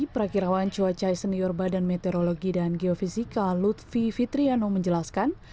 prakirawan cuaca senior badan meteorologi dan geofisika lutfi fitriano menjelaskan